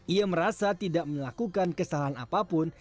ia merasa tidak melakukan kesalahan apapun